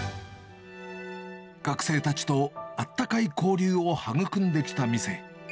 学生たちとあったかい交流を育んできた店。